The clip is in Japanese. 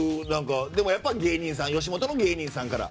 でも、やっぱり吉本の芸人さんから？